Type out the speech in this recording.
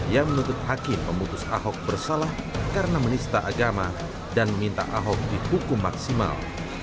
yang menuntut hakim memutus ahok bersalah karena menista agama dan meminta ahok dipukul maksimal